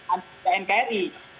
anda tidak nkri